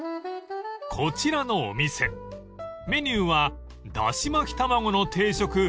［こちらのお店メニューはだし巻き卵の定食